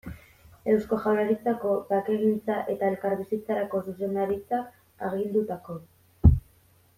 Eusko Jaurlaritzako Bakegintza eta Elkarbizitzarako Zuzendaritzak agindutako.